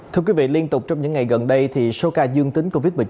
thưa quý vị liên tục trong những ngày gần đây thì số ca dương tính covid một mươi chín